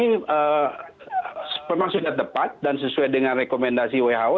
ini memang sudah tepat dan sesuai dengan rekomendasi who